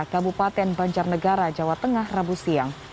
kabupaten banjarnegara jawa tengah rabu siang